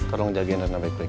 tolong jagain dan baik baik